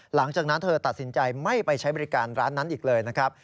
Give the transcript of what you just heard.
หลังจากนั้นเธอตัดสินใจไม่ไปใช้บริการร้านนั้นอีกเลยนะครับ